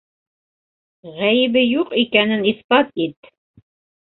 Ғәйебе юҡ икәнен иҫбат ит!